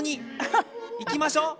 行きましょう！